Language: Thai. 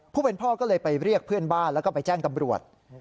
ผู้เป็นพ่อก็เลยไปเรียกเพื่อนบ้านแล้วก็ไปแจ้งตำรวจ